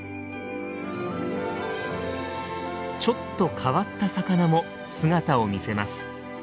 ちょっと変わった魚も姿を見せます。